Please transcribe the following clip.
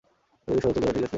ঐদিকে সোজা চলে যাও ঠিক আছে।